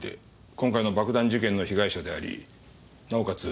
今回の爆弾事件の被害者でありなおかつ